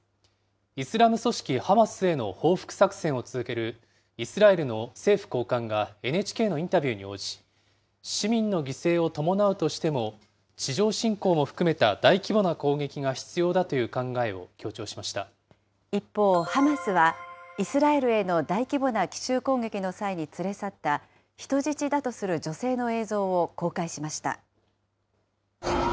イスラム組織ハマスへの報復作戦を続けるイスラエルの政府高官がＮＨＫのインタビューに応じ、市民の犠牲を伴うとしても地上侵攻も含めた大規模な攻撃が必要だ一方、ハマスはイスラエルへの大規模な奇襲攻撃の際に連れ去った人質だとする女性の映像を公開しました。